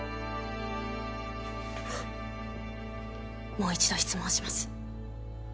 もう一度質問します。